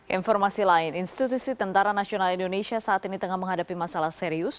informasi lain institusi tni saat ini tengah menghadapi masalah serius